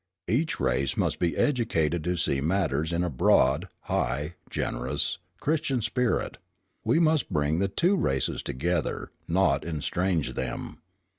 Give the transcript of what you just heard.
Each race must be educated to see matters in a broad, high, generous, Christian spirit: we must bring the two races together, not estrange them.